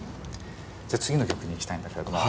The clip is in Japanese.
じゃあ次の曲に行きたいんだけれども。